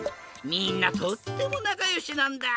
みんなとってもなかよしなんだ。